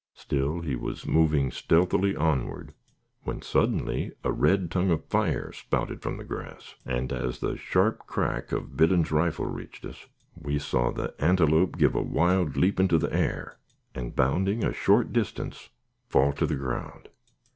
Still he was moving stealthily onward, when suddenly a red tongue of fire spouted from the grass, and, as the sharp crack of Biddon's rifle reached us, we saw the antelope give a wild leap into the air, and, bounding a short distance, fall to the ground.